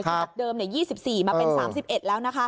จากเดิม๒๔มาเป็น๓๑แล้วนะคะ